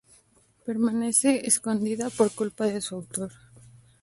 Permanece escondida por culpa de su autor.